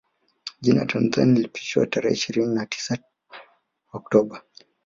Jina Tanzania lilipitishwa tarehe ishirini na tisa Oktoba